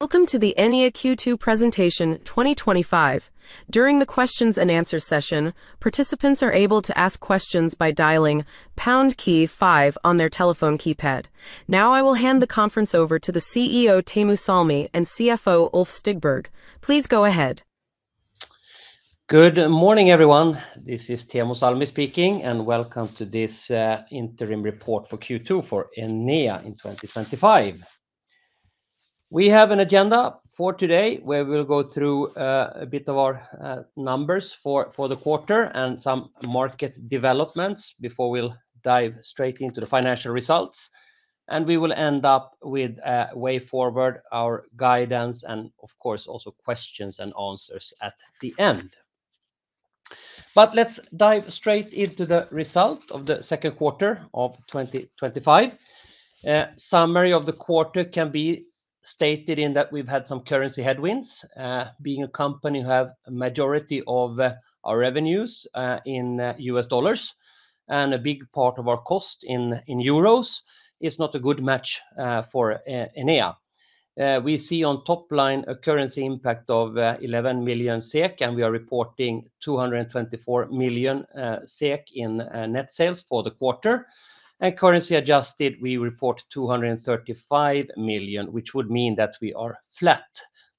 Welcome to the Enea Q2 Presentation 2025. During the questions and answers session, participants are able to ask questions by dialing pound key-5 on their telephone keypad. Now I will hand the conference over to the CEO, Teemu Salmi, and CFO, Ulf Stigberg. Please go ahead. Good morning, everyone. This is Teemu Salmi speaking, and welcome to this interim report for Q2 for Enea in 2025. We have an agenda for today where we'll go through a bit of our numbers for the quarter and some market developments before we dive straight into the financial results. We will end up with a way forward, our guidance, and of course, also questions and answers at the end. Let's dive straight into the result of the second quarter of 2025. A summary of the quarter can be stated in that we've had some currency headwinds. Being a company who has a majority of our revenues in U.S. dollars and a big part of our cost in euros, it's not a good match for Enea. We see on top line a currency impact of 11 million SEK, and we are reporting 224 million SEK in net sales for the quarter. Currency adjusted, we report 235 million, which would mean that we are flat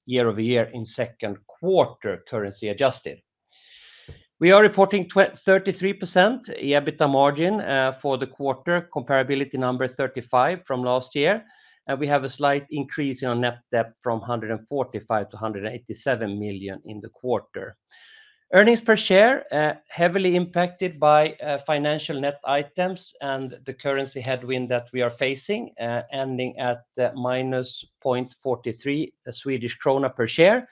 year over year in second quarter currency adjusted. We are reporting 33% EBITDA margin for the quarter, comparability number 35% from last year. We have a slight increase in our net debt from 145 million to 187 million in the quarter. Earnings per share, heavily impacted by financial net items and the currency headwind that we are facing, ending at minus 0.43 Swedish krona per share.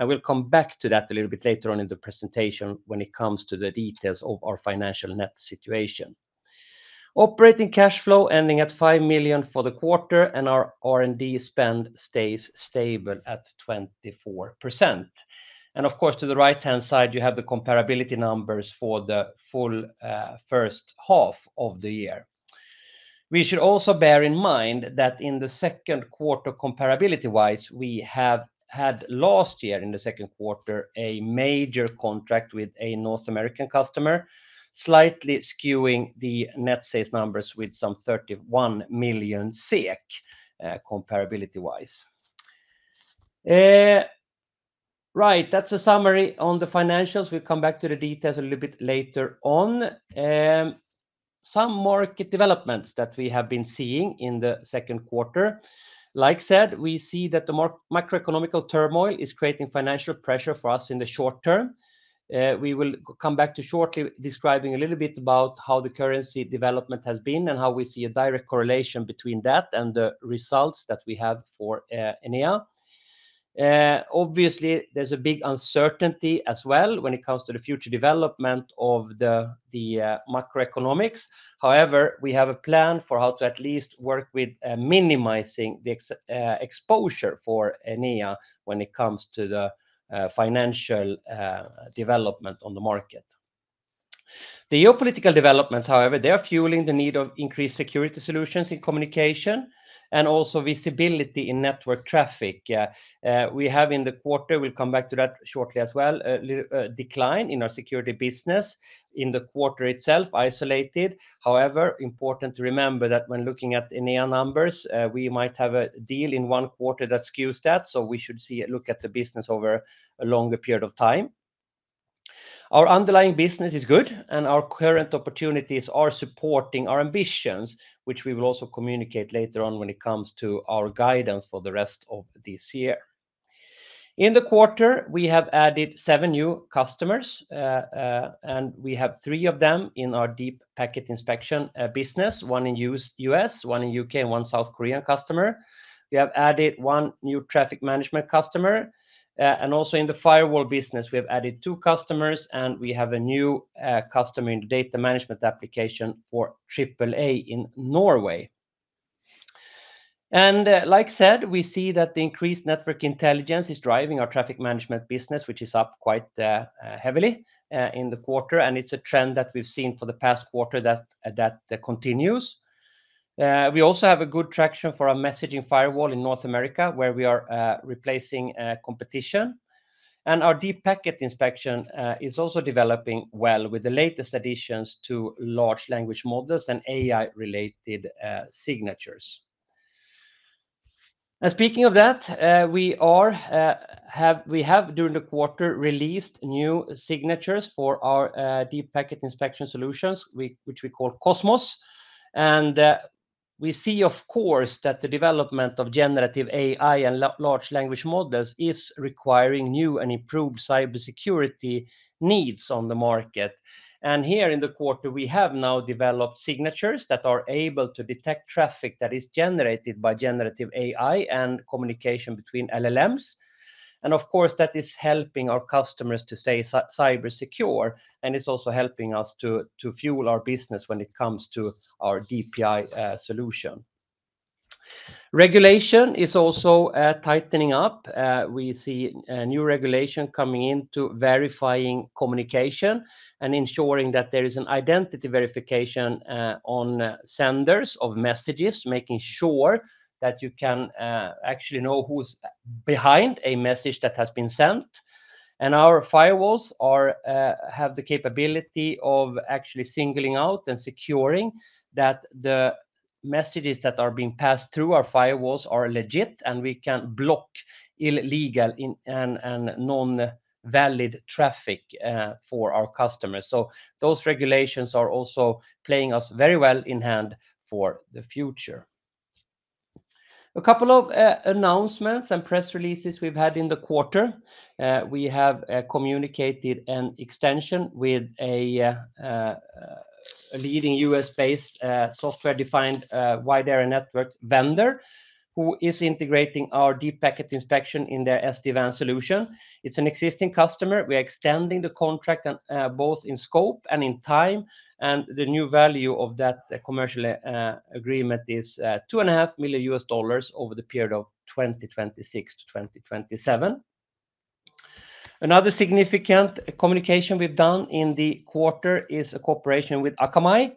We'll come back to that a little bit later on in the presentation when it comes to the details of our financial net situation. Operating cash flow, ending at 5 million for the quarter, and our R&D spend stays stable at 24%. Of course, to the right-hand side, you have the comparability numbers for the full first half of the year. We should also bear in mind that in the second quarter, comparability-wise, we have had last year in the second quarter a major contract with a North American customer, slightly skewing the net sales numbers with some 31 million SEK comparability-wise. That's a summary on the financials. We'll come back to the details a little bit later on. Some market developments that we have been seeing in the second quarter. Like I said, we see that the macroeconomical turmoil is creating financial pressure for us in the short term. We will come back to shortly describing a little bit about how the currency development has been and how we see a direct correlation between that and the results that we have for Enea. Obviously, there's a big uncertainty as well when it comes to the future development of the macroeconomics. However, we have a plan for how to at least work with minimizing the exposure for Enea when it comes to the financial development on the market. The geopolitical developments, however, are fueling the need of increased security solutions in communication and also visibility in network traffic. We have in the quarter, a decline in our security business in the quarter itself isolated. However, important to remember that when looking at Enea numbers, we might have a deal in one quarter that skews that. We should look at the business over a longer period of time. Our underlying business is good, and our current opportunities are supporting our ambitions, which we will also communicate later on when it comes to our guidance for the rest of this year. In the quarter, we have added seven new customers, and we have three of them in our deep packet inspection business, one in the US, one in the UK, and one South Korean customer. We have added one new traffic management customer. Also, in the firewall business, we have added two customers, and we have a new customer in the data management application for AAA in Norway. Like I said, we see that the increased network intelligence is driving our traffic management business, which is up quite heavily in the quarter. It's a trend that we've seen for the past quarter that continues. We also have good traction for our messaging firewall in North America, where we are replacing competition. Our deep packet inspection is also developing well with the latest additions to large language models and AI-related signatures. Speaking of that, we have, during the quarter, released new signatures for our deep packet inspection solutions, which we call QOSMOS. We see, of course, that the development of generative AI and large language models is requiring new and improved cybersecurity needs on the market. Here in the quarter, we have now developed signatures that are able to detect traffic that is generated by generative AI and communication between LLMs. Of course, that is helping our customers to stay cybersecure, and it's also helping us to fuel our business when it comes to our DPI solution. Regulation is also tightening up. We see new regulation coming into verifying communication and ensuring that there is an identity verification on senders of messages, making sure that you can actually know who's behind a message that has been sent. Our firewalls have the capability of actually singling out and securing that the messages that are being passed through our firewalls are legit, and we can block illegal and non-valid traffic for our customers. Those regulations are also playing us very well in hand for the future. A couple of announcements and press releases we've had in the quarter. We have communicated an extension with a leading U.S.-based software-defined wide area network vendor who is integrating our deep packet inspection in their SD-WAN solution. It's an existing customer. We are extending the contract both in scope and in time. The new value of that commercial agreement is $2.5 million over the period of 2026 to 2027. Another significant communication we've done in the quarter is a cooperation with Akamai.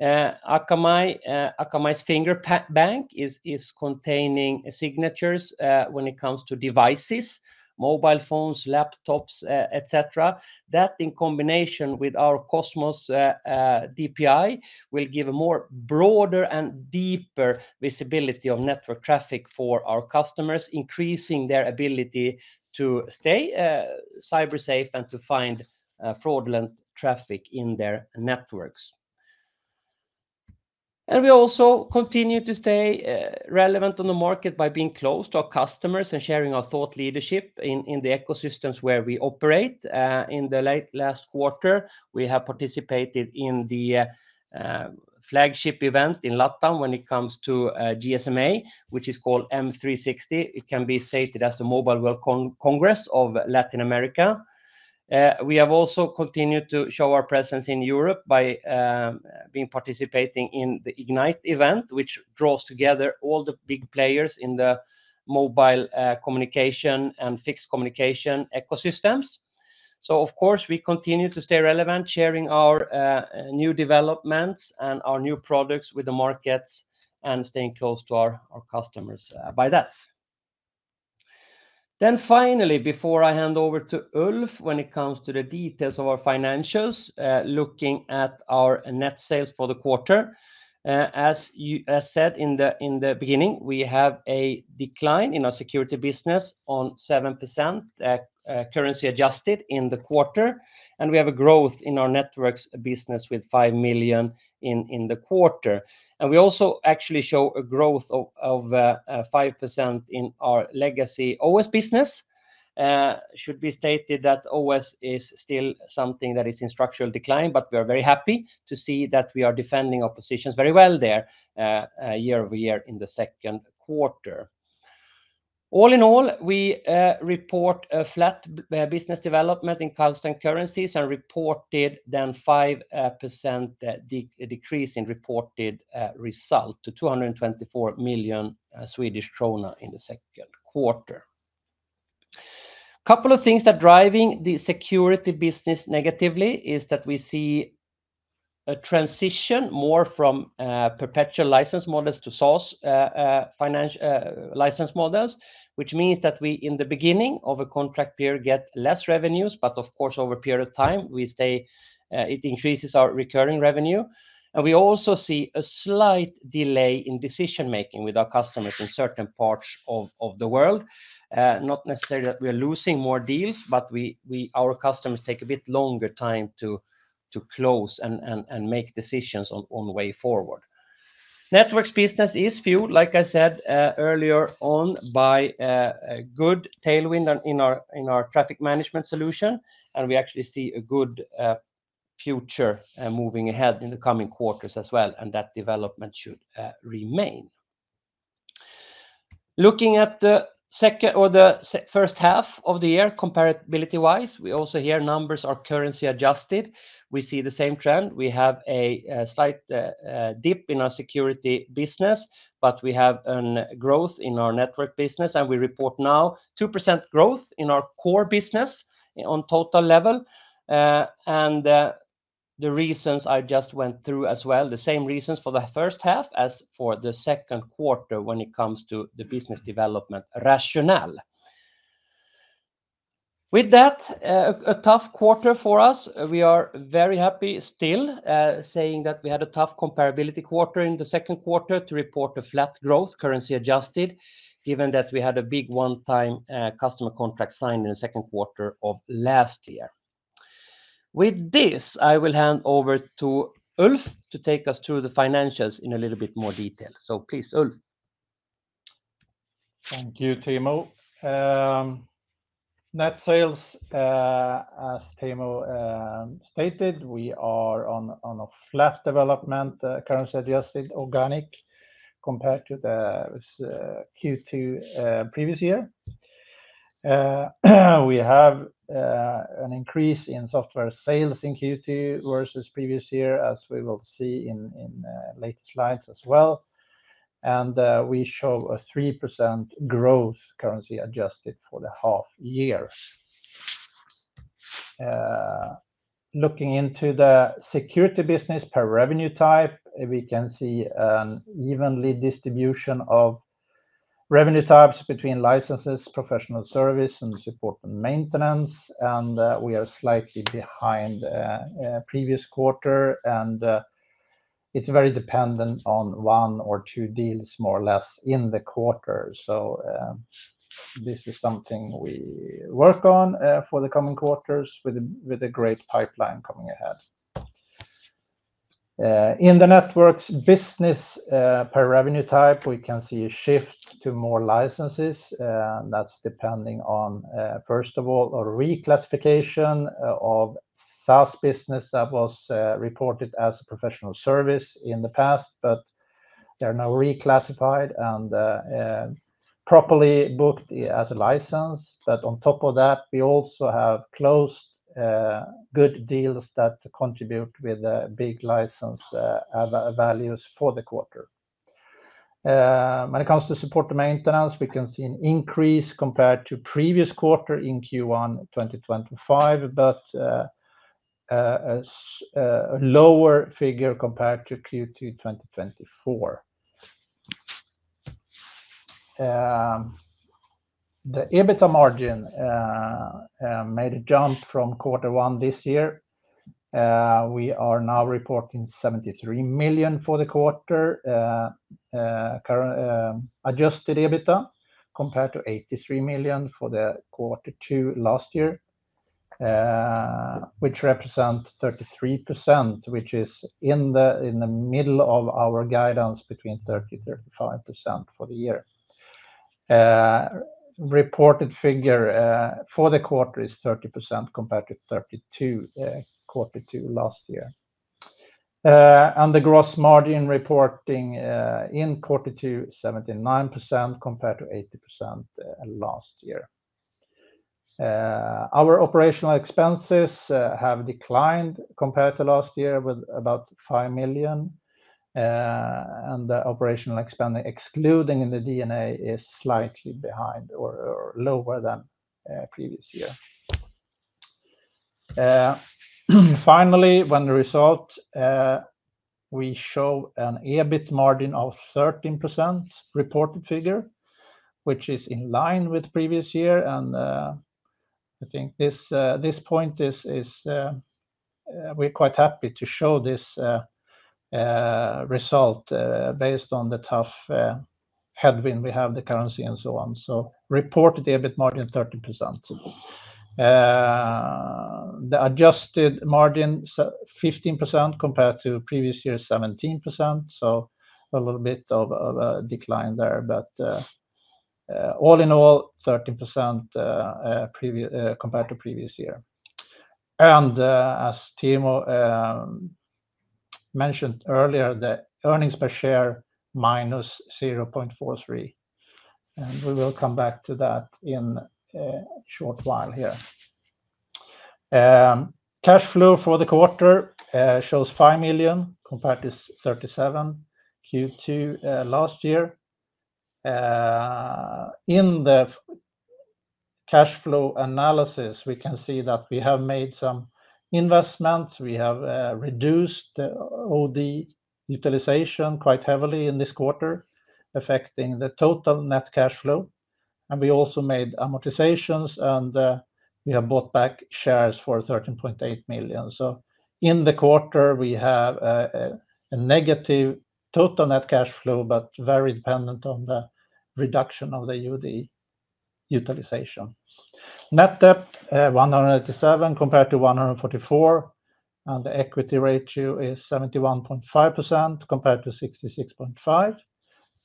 Akamai's Fingerbank is containing signatures when it comes to devices, mobile phones, laptops, etc. That, in combination with our QOSMOS DPI, will give a more broader and deeper visibility of network traffic for our customers, increasing their ability to stay cybersafe and to find fraudulent traffic in their networks. We also continue to stay relevant on the market by being close to our customers and sharing our thought leadership in the ecosystems where we operate. In the late last quarter, we have participated in the flagship event in LatAm when it comes to GSMA, which is called M360. It can be stated as the Mobile World Congress of Latin America. We have also continued to show our presence in Europe by participating in the Ignite event, which draws together all the big players in the mobile communication and fixed communication ecosystems. We continue to stay relevant, sharing our new developments and our new products with the markets and staying close to our customers by that. Finally, before I hand over to Ulf, when it comes to the details of our financials, looking at our net sales for the quarter. As you said in the beginning, we have a decline in our security business on 7% currency adjusted in the quarter. We have a growth in our networks business with $5 million in the quarter. We also actually show a growth of 5% in our legacy OS business. It should be stated that OS is still something that is in structural decline, but we are very happy to see that we are defending our positions very well there year over year in the second quarter. All in all, we report a flat business development in constant currencies and reported then a 5% decrease in reported result to 224 million Swedish krona in the second quarter. A couple of things that are driving the security business negatively is that we see a transition more from perpetual license models to SaaS license models, which means that we, in the beginning of a contract period, get less revenues, but of course, over a period of time, we say it increases our recurring revenue. We also see a slight delay in decision-making with our customers in certain parts of the world. Not necessarily that we are losing more deals, but our customers take a bit longer time to close and make decisions on the way forward. Networks business is fueled, like I said earlier on, by a good tailwind in our traffic management solution. We actually see a good future moving ahead in the coming quarters as well. That development should remain. Looking at the second or the first half of the year, comparability-wise, we also here numbers are currency adjusted. We see the same trend. We have a slight dip in our security business, but we have a growth in our network business. We report now 2% growth in our core business on total level. The reasons I just went through as well, the same reasons for the first half as for the second quarter when it comes to the business development rationale. With that, a tough quarter for us. We are very happy still, saying that we had a tough comparability quarter in the second quarter to report a flat growth, currency adjusted, given that we had a big one-time customer contract signed in the second quarter of last year. With this, I will hand over to Ulf to take us through the financials in a little bit more detail. Please, Ulf. Thank you, Teemu. Net sales, as Teemu stated, we are on a flat development, currency adjusted organic compared to the Q2 previous year. We have an increase in software sales in Q2 versus previous year, as we will see in the latest slides as well. We show a 3% growth, currency adjusted for the half year. Looking into the security business per revenue type, we can see an even distribution of revenue types between licenses, professional service, and support and maintenance. We are slightly behind the previous quarter. It is very dependent on one or two deals, more or less, in the quarter. This is something we work on for the coming quarters with a great pipeline coming ahead. In the networks business per revenue type, we can see a shift to more licenses. That's depending on, first of all, a reclassification of SaaS business that was reported as a professional service in the past, but they are now reclassified and properly booked as a license. On top of that, we also have closed good deals that contribute with big license values for the quarter. When it comes to support and maintenance, we can see an increase compared to previous quarter in Q1 2025, but a lower figure compared to Q2 2024. The EBITDA margin made a jump from quarter one this year. We are now reporting 73 million for the quarter current adjusted EBITDA compared to 83 million for the quarter two last year, which represents 33%, which is in the middle of our guidance between 30% to 35% for the year. Reported figure for the quarter is 30% compared to 32% quarter two last year. The gross margin reporting in quarter two is 79% compared to 80% last year. Our operational expenses have declined compared to last year with about 5 million. The operational expenditure, excluding in the D&A, is slightly behind or lower than the previous year. Finally, when the result, we show an EBITDA margin of 13% reported figure, which is in line with the previous year. At this point, we're quite happy to show this result based on the tough headwind we have, the currency, and so on. Reported EBITDA margin 13%. The adjusted margin is 15% compared to previous year 17%. A little bit of a decline there. All in all, 13% compared to previous year. As Teemu mentioned earlier, the earnings per share minus 0.43. We will come back to that in a short while here. Cash flow for the quarter shows 5 million compared to 37 million Q2 last year. In the cash flow analysis, we can see that we have made some investments. We have reduced the OD utilization quite heavily in this quarter, affecting the total net cash flow. We also made amortizations, and we have bought back shares for 13.8 million. In the quarter, we have a negative total net cash flow, but very dependent on the reduction of the OD utilization. Net debt 187 million compared to 144 million. The equity ratio is 71.5% compared to 66.5%.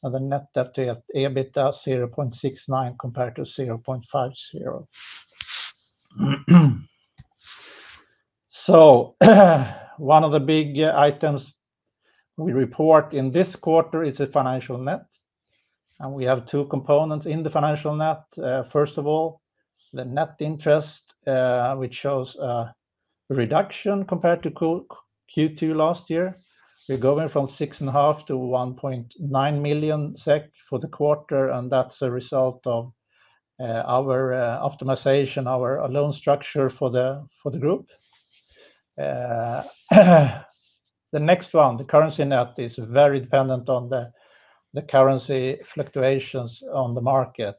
The net debt to EBITDA 0.69 compared to 0.50. One of the big items we report in this quarter is the financial net. We have two components in the financial net. First of all, the net interest, which shows a reduction compared to Q2 last year. We're going from 6.5 million to 1.9 million SEK for the quarter, and that's a result of our optimization, our loan structure for the group. The next one, the currency net, is very dependent on the currency fluctuations on the market.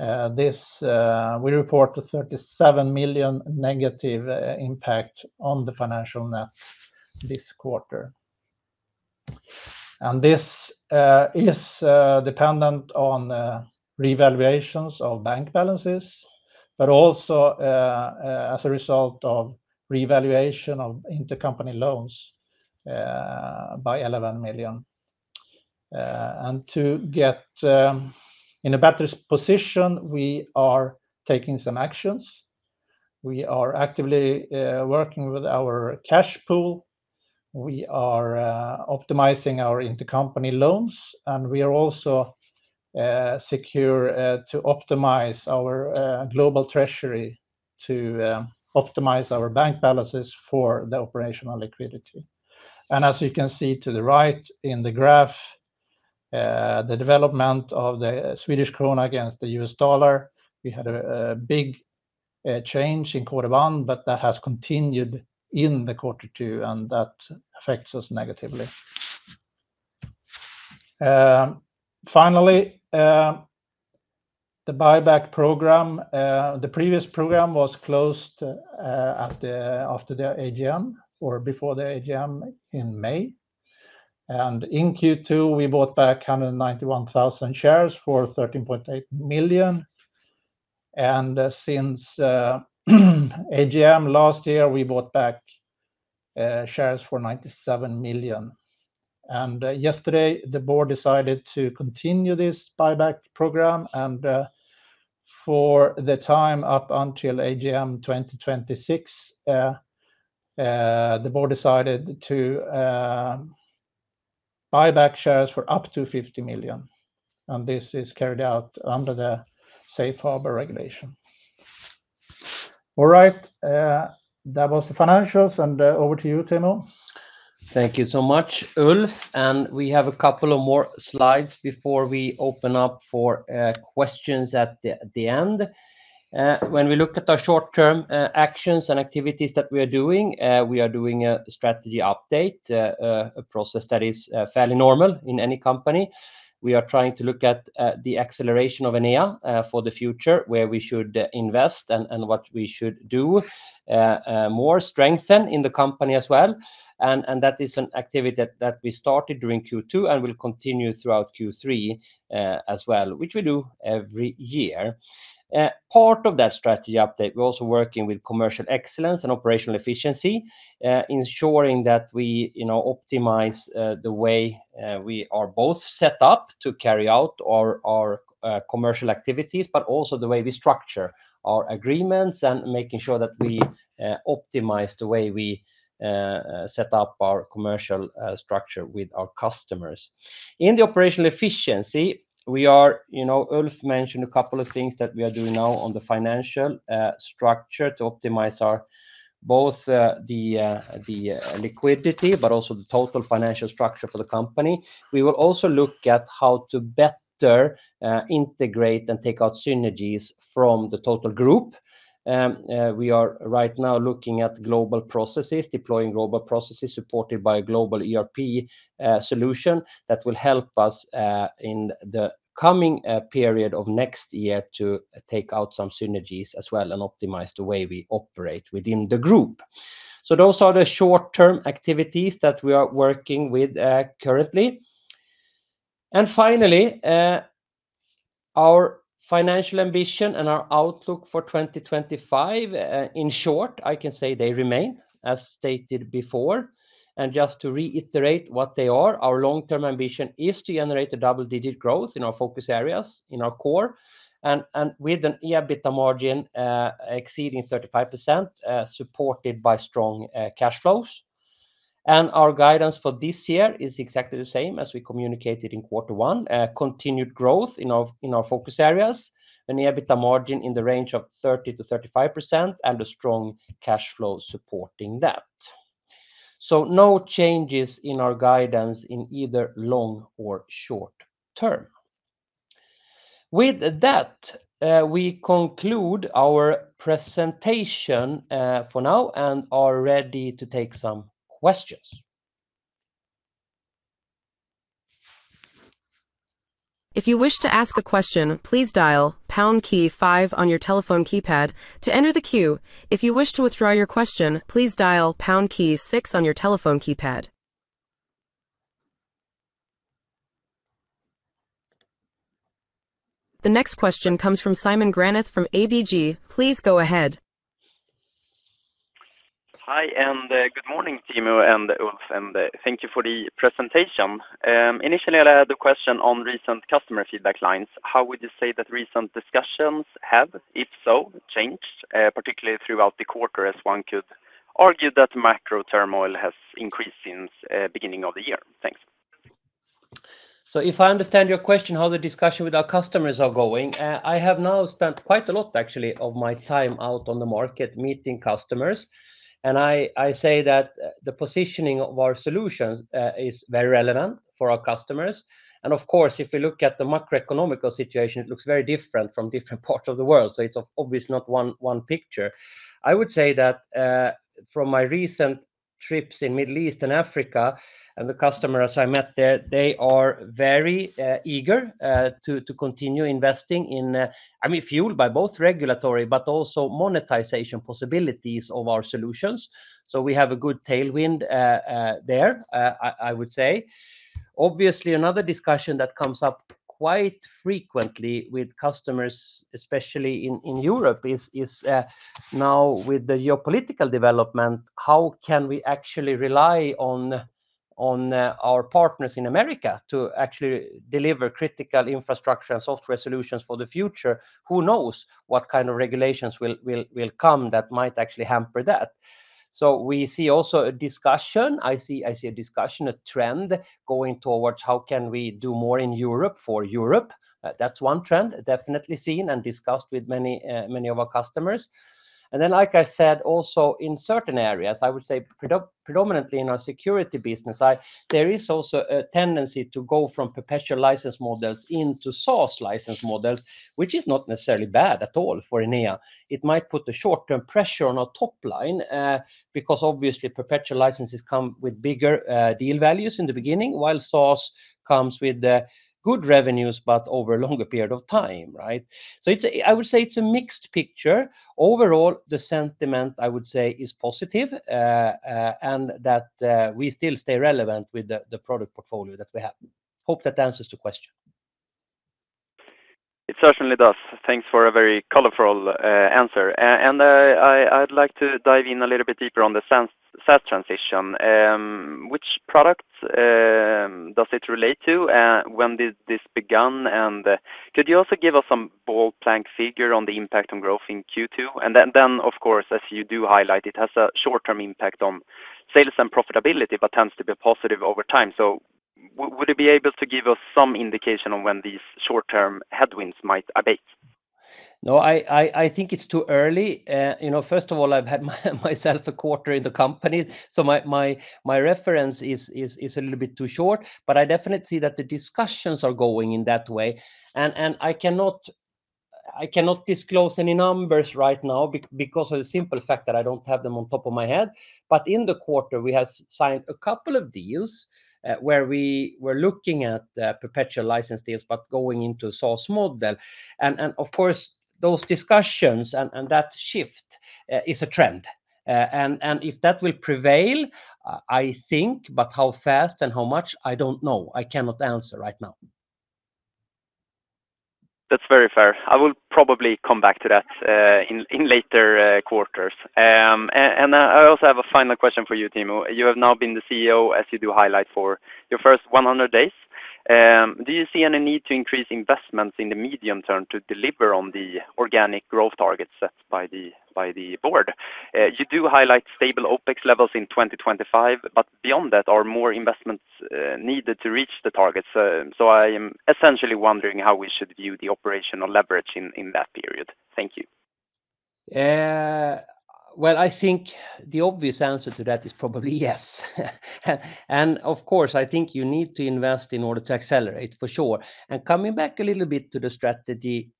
We report a 37 million negative impact on the financial net this quarter. This is dependent on revaluations of bank balances, but also as a result of revaluation of intercompany loans by SEK 11 million. To get in a better position, we are taking some actions. We are actively working with our cash pool, we are optimizing our intercompany loans, and we are also securing to optimize our global treasury to optimize our bank balances for the operational liquidity. As you can see to the right in the graph, the development of the Swedish krona against the U.S. dollar, we had a big change in quarter one, but that has continued in quarter two, and that affects us negatively. Finally, the buyback program, the previous program was closed after the AGM or before the AGM in May. In Q2, we bought back 191,000 shares for 13.8 million. Since AGM last year, we bought back shares for 97 million. Yesterday, the board decided to continue this buyback program. For the time up until AGM 2026, the board decided to buy back shares for up to 50 million. This is carried out under the Safe Harbor regulation. All right. That was the financials. Over to you, Teemu. Thank you so much, Ulf. We have a couple of more slides before we open up for questions at the end. When we look at our short-term actions and activities that we are doing, we are doing a strategy update, a process that is fairly normal in any company. We are trying to look at the acceleration of Enea for the future, where we should invest and what we should do more to strengthen in the company as well. That is an activity that we started during Q2 and will continue throughout Q3 as well, which we do every year. Part of that strategy update, we're also working with commercial excellence and operational efficiency, ensuring that we optimize the way we are both set up to carry out our commercial activities, but also the way we structure our agreements and making sure that we optimize the way we set up our commercial structure with our customers. In the operational efficiency, Ulf mentioned a couple of things that we are doing now on the financial structure to optimize both the liquidity, but also the total financial structure for the company. We will also look at how to better integrate and take out synergies from the total group. We are right now looking at global processes, deploying global processes supported by a global ERP solution that will help us in the coming period of next year to take out some synergies as well and optimize the way we operate within the group. Those are the short-term activities that we are working with currently. Finally, our financial ambition and our outlook for 2025, in short, I can say they remain, as stated before. Just to reiterate what they are, our long-term ambition is to generate a double-digit growth in our focus areas, in our core, and with an EBITDA margin exceeding 35%, supported by strong cash flows. Our guidance for this year is exactly the same as we communicated in quarter one: continued growth in our focus areas, an EBITDA margin in the range of 30% to 35%, and a strong cash flow supporting that. No changes in our guidance in either long or short term. With that, we conclude our presentation for now and are ready to take some questions. If you wish to ask a question, please dial pound key-5 on your telephone keypad to enter the queue. If you wish to withdraw your question, please dial pound key-6 on your telephone keypad. The next question comes from Simon Granath from ABG. Please go ahead. Hi, and good morning, Teemu and Ulf. Thank you for the presentation. Initially, I had a question on recent customer feedback lines. How would you say that recent discussions have, if so, changed, particularly throughout the quarter, as one could argue that macro turmoil has increased since the beginning of the year? Thanks. If I understand your question, how the discussion with our customers is going, I have now spent quite a lot, actually, of my time out on the market meeting customers. I say that the positioning of our solutions is very relevant for our customers. Of course, if we look at the macroeconomic situation, it looks very different from different parts of the world. It's obviously not one picture. I would say that from my recent trips in the Middle East and Africa, and the customers I met there, they are very eager to continue investing in, I mean, fueled by both regulatory, but also monetization possibilities of our solutions. We have a good tailwind there, I would say. Obviously, another discussion that comes up quite frequently with customers, especially in Europe, is now with the geopolitical development, how can we actually rely on our partners in the U.S. to actually deliver critical infrastructure and software solutions for the future? Who knows what kind of regulations will come that might actually hamper that? We see also a discussion. I see a discussion, a trend going towards how can we do more in Europe for Europe. That's one trend definitely seen and discussed with many of our customers. Like I said, also in certain areas, I would say predominantly in our security business, there is also a tendency to go from perpetual license models into SaaS license models, which is not necessarily bad at all for Enea. It might put a short-term pressure on our top line because obviously perpetual licenses come with bigger deal values in the beginning, while SaaS comes with good revenues, but over a longer period of time, right? I would say it's a mixed picture. Overall, the sentiment, I would say, is positive and that we still stay relevant with the product portfolio that we have. Hope that answers the question. It certainly does. Thanks for a very colorful answer. I'd like to dive in a little bit deeper on the SaaS transition. Which products does it relate to? When did this begin? Could you also give us some ballpark figure on the impact on growth in Q2? Of course, as you do highlight, it has a short-term impact on sales and profitability, but tends to be positive over time. Would you be able to give us some indication on when these short-term headwinds might abate? No, I think it's too early. First of all, I've had myself a quarter in the company, so my reference is a little bit too short. I definitely see that the discussions are going in that way. I cannot disclose any numbers right now because of the simple fact that I don't have them on top of my head. In the quarter, we have signed a couple of deals where we were looking at perpetual license deals, but going into a SaaS model. Of course, those discussions and that shift is a trend. If that will prevail, I think, but how fast and how much, I don't know. I cannot answer right now. That's very fair. I will probably come back to that in later quarters. I also have a final question for you, Teemu. You have now been the CEO, as you do highlight, for your first 100 days. Do you see any need to increase investments in the medium term to deliver on the organic growth targets set by the board? You do highlight stable OpEx levels in 2025, but beyond that, are more investments needed to reach the targets? I am essentially wondering how we should view the operational leverage in that period. Thank you. I think the obvious answer to that is probably yes. Of course, I think you need to invest in order to accelerate, for sure. Coming back a little bit to the strategy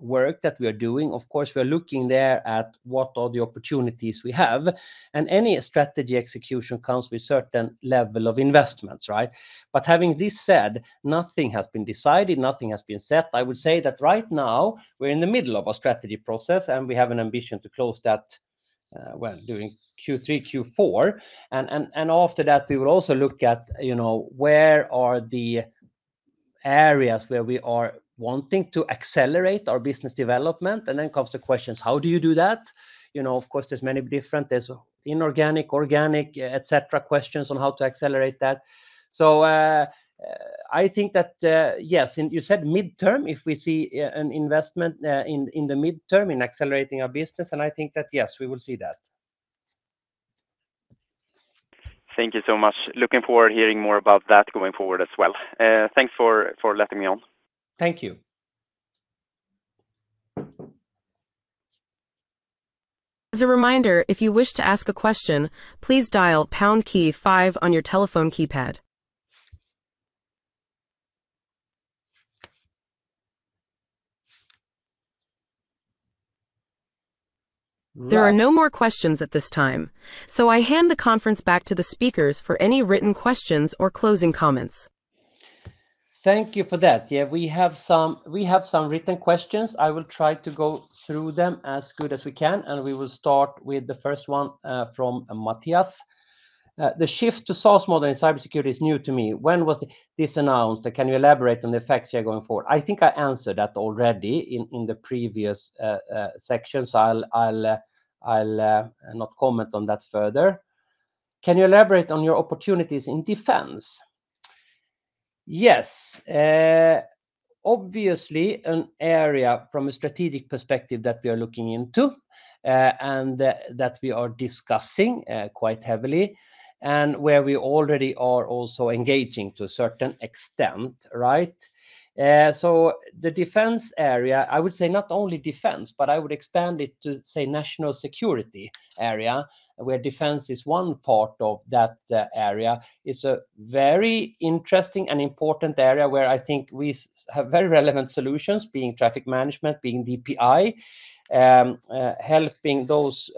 work that we are doing, we are looking there at what are the opportunities we have. Any strategy execution comes with a certain level of investments, right? Having this said, nothing has been decided, nothing has been set. I would say that right now, we're in the middle of our strategy process, and we have an ambition to close that during Q3, Q4. After that, we will also look at where are the areas where we are wanting to accelerate our business development. Then comes the questions, how do you do that? Of course, there's many different inorganic, organic, etc. questions on how to accelerate that. I think that, yes, you said midterm, if we see an investment in the midterm in accelerating our business, I think that, yes, we will see that. Thank you so much. Looking forward to hearing more about that going forward as well. Thanks for letting me on. Thank you. As a reminder, if you wish to ask a question, please dial pound key-5 on your telephone keypad. There are no more questions at this time. I hand the conference back to the speakers for any written questions or closing comments. Thank you for that. We have some written questions. I will try to go through them as well as we can. We will start with the first one from Matthias. The shift to SaaS model in cybersecurity is new to me. When was this announced? Can you elaborate on the effects you are going forward? I think I answered that already in the previous section, so I'll not comment on that further. Can you elaborate on your opportunities in defense? Yes. Obviously, an area from a strategic perspective that we are looking into and that we are discussing quite heavily and where we already are also engaging to a certain extent, right? The defense area, I would say not only defense, but I would expand it to, say, national security area, where defense is one part of that area, is a very interesting and important area where I think we have very relevant solutions, being traffic management, being DPI, helping those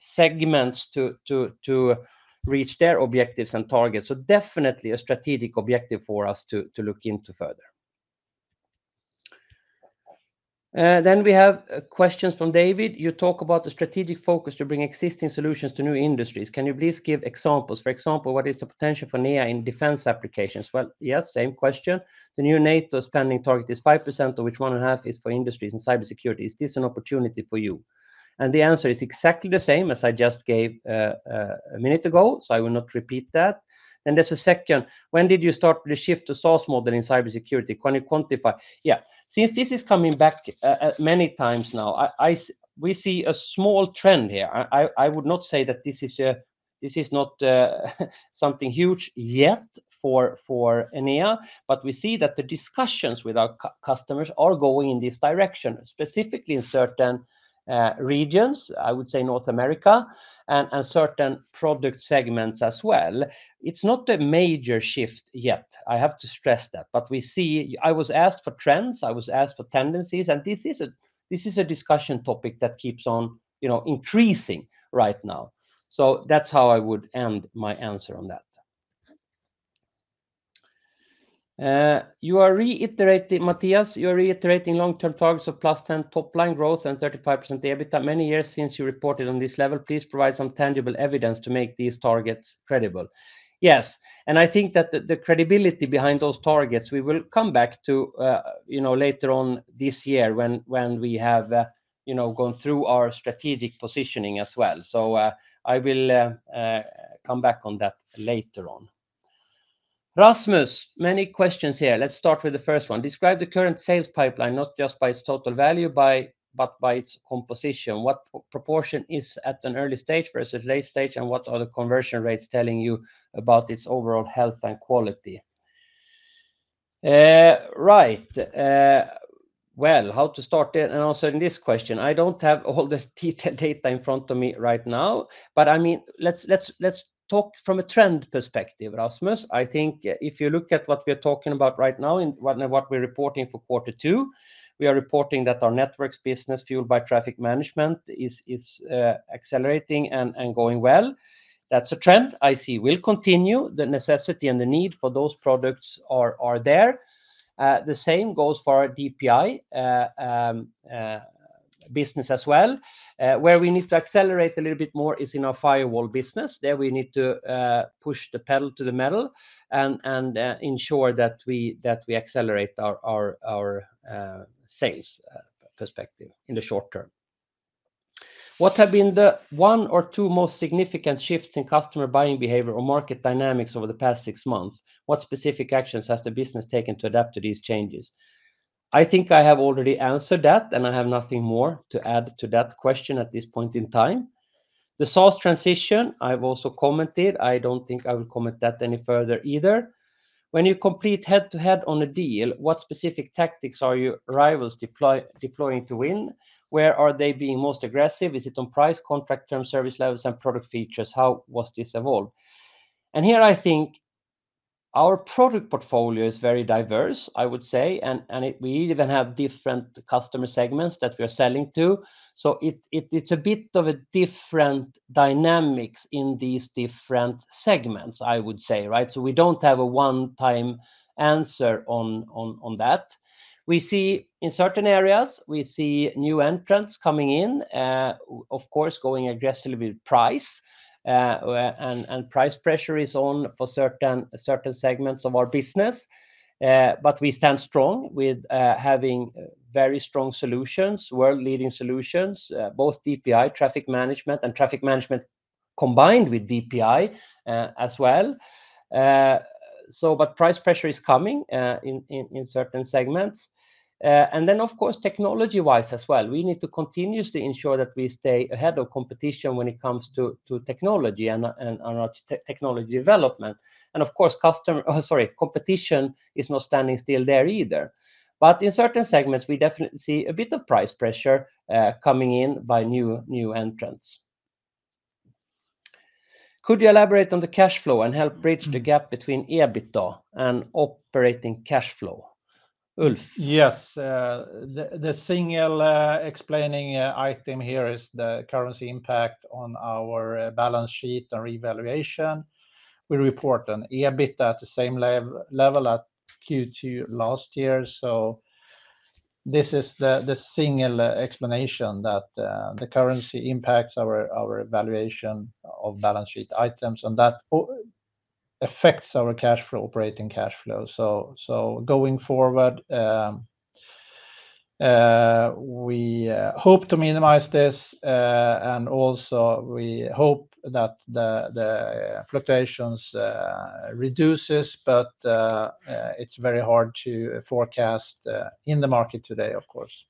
segments to reach their objectives and targets. Definitely a strategic objective for us to look into further. We have questions from David. You talk about a strategic focus to bring existing solutions to new industries. Can you please give examples? For example, what is the potential for Enea in defense applications? Yes, same question. The new NATO spending target is 5%, of which 1.5% is for industries in cybersecurity. Is this an opportunity for you? The answer is exactly the same as I just gave a minute ago, so I will not repeat that. There's a second. When did you start the shift to SaaS model in cybersecurity? Can you quantify? Since this is coming back many times now, we see a small trend here. I would not say that this is something huge yet for Enea, but we see that the discussions with our customers are going in this direction, specifically in certain regions, I would say North America, and certain product segments as well. It's not a major shift yet. I have to stress that. We see, I was asked for trends, I was asked for tendencies, and this is a discussion topic that keeps on increasing right now. That's how I would end my answer on that. You are reiterating, Matthias, you are reiterating long-term targets of plus 10% top line growth and 35% EBITDA. Many years since you reported on this level. Please provide some tangible evidence to make these targets credible. Yes. I think that the credibility behind those targets, we will come back to later on this year when we have gone through our strategic positioning as well. I will come back on that later on. Rasmus, many questions here. Let's start with the first one. Describe the current sales pipeline, not just by its total value, but by its composition. What proportion is at an early stage versus late stage, and what are the conversion rates telling you about its overall health and quality? Right. How to start it? Also in this question, I don't have all the detailed data in front of me right now, but let's talk from a trend perspective, Rasmus. If you look at what we're talking about right now and what we're reporting for quarter two, we are reporting that our networks business fueled by traffic management is accelerating and going well. That's a trend I see will continue. The necessity and the need for those products are there. The same goes for our DPI business as well. Where we need to accelerate a little bit more is in our firewall business. There we need to push the pedal to the metal and ensure that we accelerate our sales perspective in the short term. What have been the one or two most significant shifts in customer buying behavior or market dynamics over the past six months? What specific actions has the business taken to adapt to these changes? I think I have already answered that, and I have nothing more to add to that question at this point in time. The SaaS transition, I've also commented. I don't think I will comment that any further either. When you compete head-to-head on a deal, what specific tactics are your rivals deploying to win? Where are they being most aggressive? Is it on price, contract terms, service levels, and product features? How has this evolved? Here I think our product portfolio is very diverse, I would say, and we even have different customer segments that we are selling to. It's a bit of a different dynamic in these different segments, I would say, right? We don't have a one-time answer on that. We see in certain areas, we see new entrants coming in, of course, going aggressively with price, and price pressure is on for certain segments of our business. We stand strong with having very strong solutions, world-leading solutions, both DPI, traffic management, and traffic management combined with DPI as well. Price pressure is coming in certain segments. Of course, technology-wise as well, we need to continuously ensure that we stay ahead of competition when it comes to technology and our technology development. Competition is not standing still there either. In certain segments, we definitely see a bit of price pressure coming in by new entrants. Could you elaborate on the cash flow and help bridge the gap between EBITDA and operating cash flow? Ulf. Yes. The single explaining item here is the currency impact on our balance sheet and revaluation. We report an EBITDA at the same level as Q2 last year. This is the single explanation that the currency impacts our evaluation of balance sheet items, and that affects our cash flow, operating cash flow. Going forward, we hope to minimize this, and also we hope that the fluctuations reduce, but it's very hard to forecast in the market today, of course.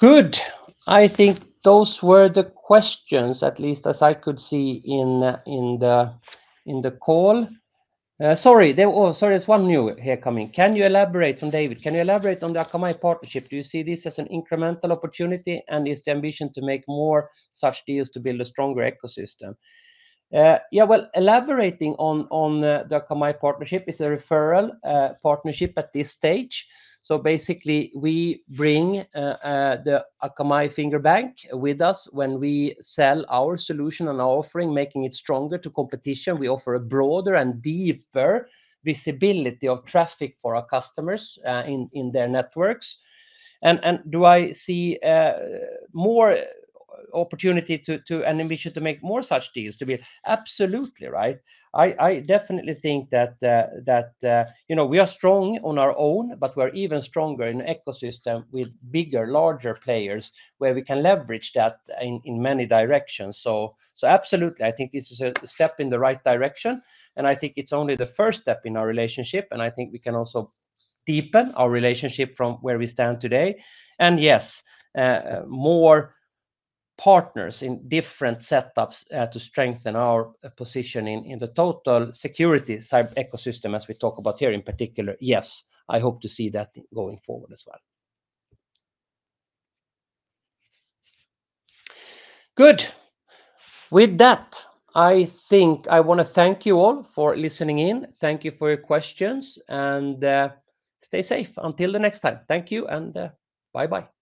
Good. I think those were the questions, at least as I could see in the call. Sorry, there's one new here coming. Can you elaborate on David? Can you elaborate on the Akamai partnership? Do you see this as an incremental opportunity and is the ambition to make more such deals to build a stronger ecosystem? Elaborating on the Akamai partnership, it is a referral partnership at this stage. Basically, we bring the Akamai Fingerbank with us when we sell our solution and our offering, making it stronger to competition. We offer a broader and deeper visibility of traffic for our customers in their networks. Do I see more opportunity and an ambition to make more such deals? Absolutely, right? I definitely think that we are strong on our own, but we are even stronger in the ecosystem with bigger, larger players where we can leverage that in many directions. Absolutely, I think this is a step in the right direction. I think it's only the first step in our relationship. I think we can also deepen our relationship from where we stand today. Yes, more partners in different setups to strengthen our position in the total security ecosystem, as we talk about here in particular. Yes, I hope to see that going forward as well. Good. With that, I think I want to thank you all for listening in. Thank you for your questions. Stay safe until the next time. Thank you and bye-bye.